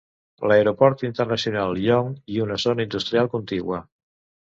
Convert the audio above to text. L'aeroport internacional Young i una zona industrial contigua.